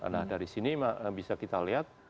nah dari sini bisa kita lihat